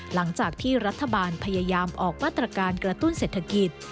หลังจากที่รัฐบาลพยายามออกมาตรการกระตุ้นเศรษฐกิจ